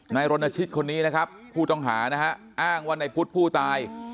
รณชิตคนนี้นะครับผู้ต้องหานะฮะอ้างว่าในพุทธผู้ตาย